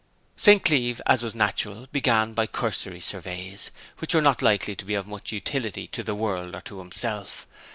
St. Cleeve, as was natural, began by cursory surveys, which were not likely to be of much utility to the world or to himself.